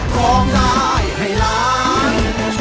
ร้องได้ให้ล้าน